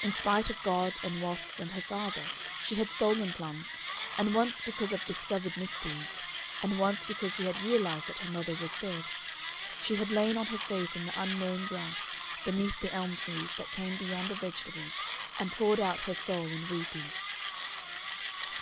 In spite of God and wasps and her father, she had stolen plums; and once because of discovered misdeeds, and once because she had realized that her mother was dead, she had lain on her face in the unmown grass, beneath the elm trees that came beyond the vegetables, and poured out her soul in weeping.